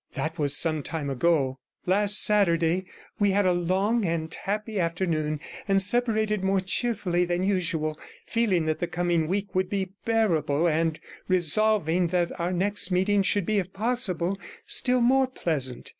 That was some time ago; last Saturday we had a long and happy afternoon, and separated more cheerfully than usual, feeling that the coming week would be bearable, and resolving that our next meeting should be if possible still more pleasant.